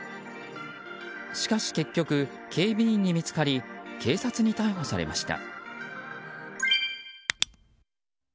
しかし結局、警備員に見つかり警察に逮捕されました。